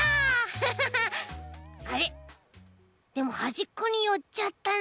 フフフあれでもはじっこによっちゃったな。